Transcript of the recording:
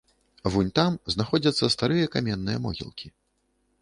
Вунь там знаходзяцца старыя каменныя могілкі.